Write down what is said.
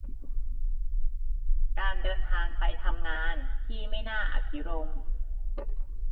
การเดินทางไปทำงานที่ไม่น่าอภิรมย์